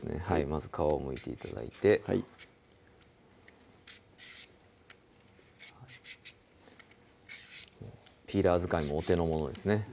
まず皮をむいて頂いてピーラー使いもお手の物ですね